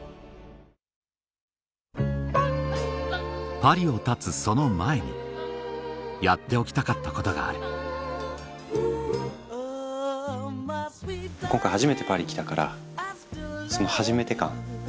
パリをたつその前にやっておきたかったことがある今回初めてパリ来たからその初めて感。